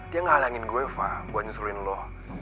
dia ngalangin gue fah buat nyusulin lo